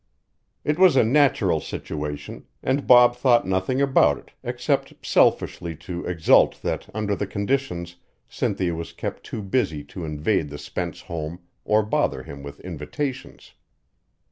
It was a natural situation, and Bob thought nothing about it except selfishly to exult that under the conditions Cynthia was kept too busy to invade the Spence home or bother him with invitations.